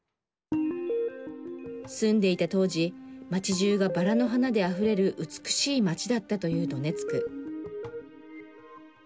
住んでいた当時街じゅうがバラの花であふれる美しい街だったというドネツク。